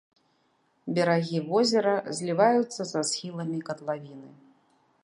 Берагі возера зліваюцца са схіламі катлавіны.